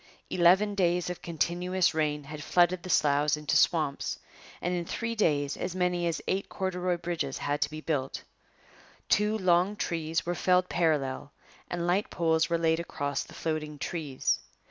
Eleven days of continuous rain had flooded the sloughs into swamps; and in three days as many as eight corduroy bridges had to be built. Two long trees were felled parallel and light poles were laid across the floating trees.